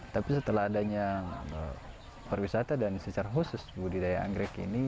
tapi setelah adanya pariwisata dan secara khusus budidaya anggrek ini